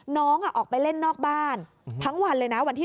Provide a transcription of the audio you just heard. น้องออกไปเล่นนอกบ้านทั้งวันเลยนะวันที่๑